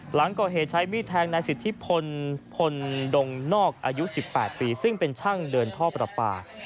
หลังก่อเหตุใช้มีดแทงนายสิทธิพลพลดงนอกอายุ๑๘ปีซึ่งเป็นช่างเดินท่อประปา